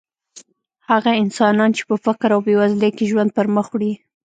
هغه انسانان چې په فقر او بېوزلۍ کې ژوند پرمخ وړي.